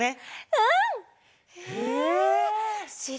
うん。